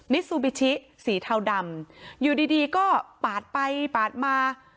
ซูบิชิสีเทาดำอยู่ดีดีก็ปาดไปปาดมา